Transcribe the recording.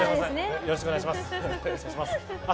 よろしくお願いします。